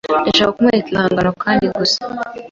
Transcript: Nashaka kumwereka ibihangano kandi gusa